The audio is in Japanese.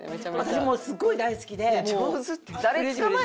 私もうすごい大好きで。